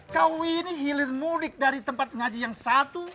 kau ini hilir mudik dari tempat ngaji yang satu